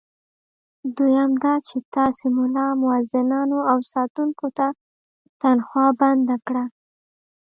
دویم دا چې تاسي ملا، مؤذنانو او ساتونکو ته تنخوا بنده کړه.